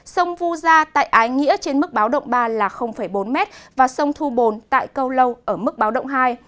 sông vu gia tại ái nghĩa trên mức báo động ba là bốn m và sông thu bồn tại câu lâu ở mức báo động hai